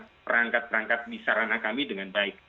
dan menjaga perangkat perangkat di sarana kami dengan baik